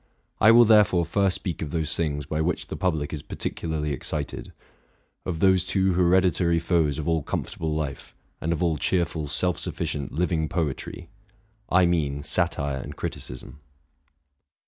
I will there fore first speak of those things by which the public is partic ularly excited ; of those two hereditary foes of all comfort able life, and of all cheerful, self sufficient, living poetry, T mean, satire and criticism.